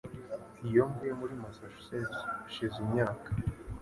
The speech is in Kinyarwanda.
Iyo mvuye muri Massachusetts hashize imyaka